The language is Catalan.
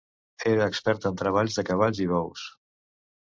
Era expert en treballs de cavalls i bous.